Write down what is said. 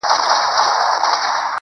په داسي خوب ویده دی چي راویښ به نه سي.